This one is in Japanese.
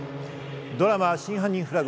ドラマ『真犯人フラグ』